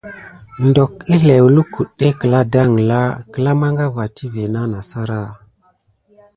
Dok ǝklǝw lukudé kǝla dangla kǝla mangava tivé nah sara.